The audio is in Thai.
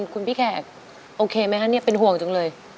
คุณพี่แขกโอเคไหมคะเนี่ยเป็นห่วงจังเลย